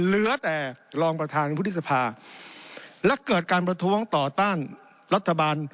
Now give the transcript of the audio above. เหลือแต่รองประธานวุฒิสภาและเกิดการประท้วงต่อต้านรัฐบาล